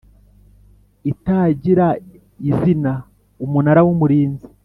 itagira izina Umunara w Umurinzi